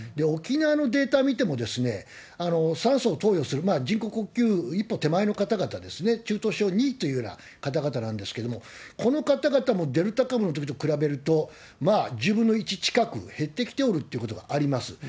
沖縄のデータ見ても、酸素を投与する人工呼吸一歩手前の方々ですね、中等症２というような方々なんですけれども、この方々もデルタ株のときと比べると、１０分の１近く減ってきておるということがあります。